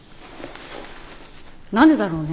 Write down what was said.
何でだろうね。